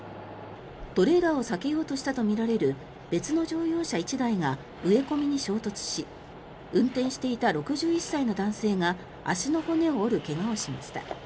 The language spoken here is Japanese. トレーラーを避けようとしたとみられる別の乗用車１台が植え込みに衝突し運転していた６１歳の男性が足の骨を折る怪我をしました。